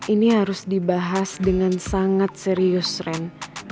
ini harus dibahas dengan sangat serius ren